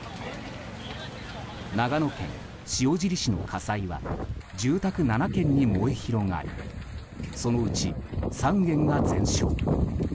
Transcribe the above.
長野県塩尻市の火災は住宅７軒に燃え広がりそのうち３軒が全焼。